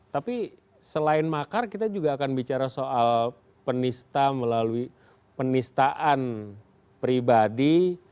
tapi selain makar kita juga akan bicara soal penista melalui penistaan pribadi